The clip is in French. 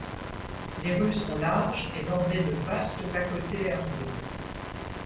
Les rues sont larges et bordées de vastes bas-côtés herbeux.